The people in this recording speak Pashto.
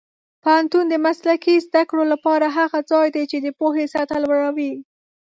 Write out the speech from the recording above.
پوهنتون د مسلکي زده کړو لپاره هغه ځای دی چې د پوهې سطح لوړوي.